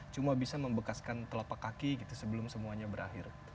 cuma bisa membekaskan telapak kaki gitu sebelum semuanya berakhir